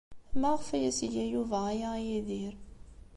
Maɣef ay as-iga Yuba aya i Yidir?